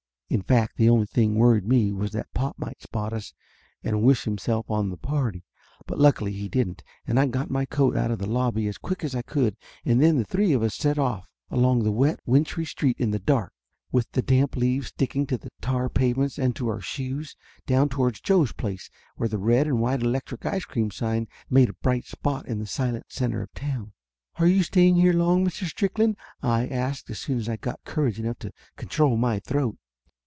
In fact the only thing worried me was that pop might spot us and wish himself on the party. But luckily he didn't, and I got my coat out of the lobby as quick as I could, and then the three of us set off along the wet, wintry street in the dark, with the damp leaves sticking to the tar pavements and to our shoes, down towards Joe's place, where the red and white electric ice cream sign made a bright spot in the silent center of town. Laughter Limited 23 "Are you staying here long, Mr. Strickland?" I asked as soon as I got courage enough to control my throat.